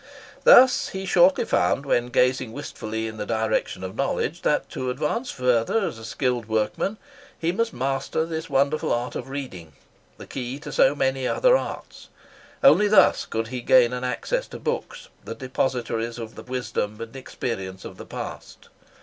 Thus he shortly found, when gazing wistfully in the direction of knowledge, that to advance further as a skilled workman, he must master this wonderful art of reading—the key to so many other arts. Only thus could he gain an access to books, the depositories of the wisdom and experience of the past.